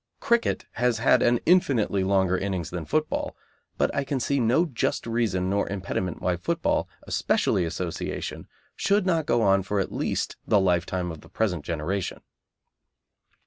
Cricket has had an infinitely longer innings than football, but I can see no just reason nor impediment why football, especially Association, should not go on for at least the lifetime of the present generation.